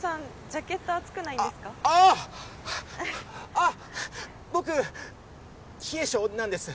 あ僕冷え性なんです。